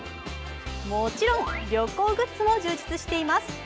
もちろん、旅行グッズも充実しています。